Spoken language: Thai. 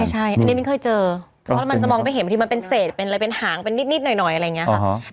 ใช่อันนี้มิ้นเคยเจอเพราะมันจะมองไม่เห็นบางทีมันเป็นเศษเป็นอะไรเป็นหางเป็นนิดหน่อยอะไรอย่างนี้ค่ะ